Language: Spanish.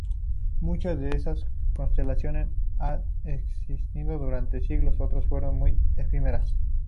Muchas de esas constelaciones han existido durante siglos, otras fueron muy efímeras.